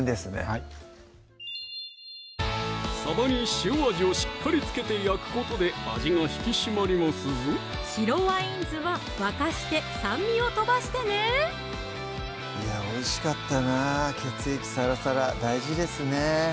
はいさばに塩味をしっかり付けて焼くことで味が引き締まりますぞ白ワイン酢は沸かして酸味をとばしてねいやおいしかったな血液サラサラ大事ですね